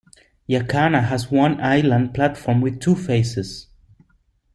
Jacana has one island platform with two faces.